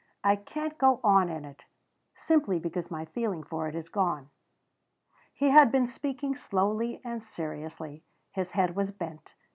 I can't go on in it, simply because my feeling for it is gone." He had been speaking slowly and seriously; his head was bent.